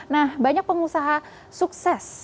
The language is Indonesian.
nah banyak pengusaha sukses